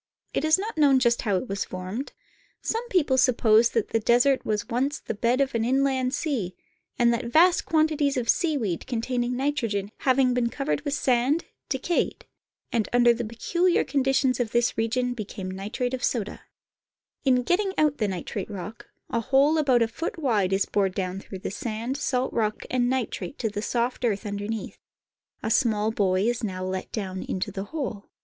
It is not known just how it was. formed. Some people suppose that the desert was once the bed of an inland sea, and that vast 'quantities of seaweed, con taining nitrogen, having been covered with sand, decayed, and, under the peculiar conditions of this region, became nitrate of soda. NITRATE DESERT. 103 In getting out the nitrate rock a hole about a foot wide is bored down through the sand, salt rock, and nitrate to the soft earth underneath. A small boy is now let down into the hole.